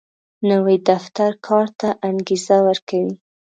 نوی دفتر کار ته انګېزه ورکوي